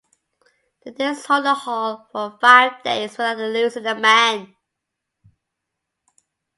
The Danes hold the hall for five days without losing a man.